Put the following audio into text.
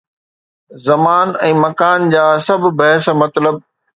زمان ۽ مڪان جا سڀ بحث مطلب.